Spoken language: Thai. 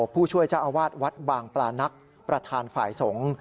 ผู้ช่วยเจ้าอาวาสวัดบางปลานักประธานฝ่ายสงฆ์